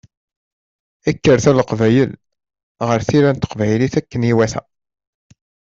Kkret a Leqbayel ɣer tira s teqbaylit akken iwata!